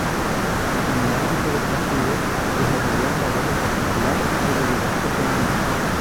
En el ámbito del partido, desarrolló un modelo particular de liderazgo femenino.